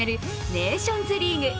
ネーションズリーグ。